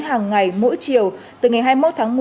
hàng ngày mỗi chiều từ ngày hai mươi một tháng một mươi